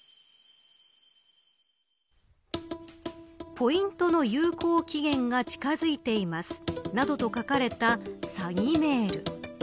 ポイントの有効期限が近づいていますなどと書かれた詐欺メール。